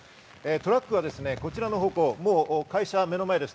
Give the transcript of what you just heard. トラックはこちらの方向、会社は目の前です。